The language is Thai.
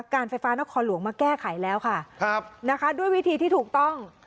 การไฟฟ้านครหลวงมาแก้ไขแล้วค่ะครับนะคะด้วยวิธีที่ถูกต้อง